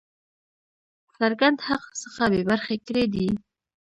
څرګند حق څخه بې برخي کړی دی.